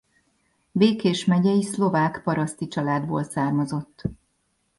Békés megyei szlovák paraszti családból származott.